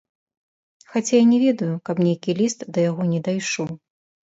Хаця я не ведаю, каб нейкі ліст да яго не дайшоў.